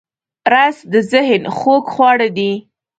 رس د ذهن خوږ خواړه دی